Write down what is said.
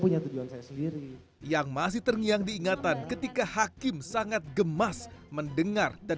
punya tujuan saya sendiri yang masih terngiang diingatan ketika hakim sangat gemas mendengar dan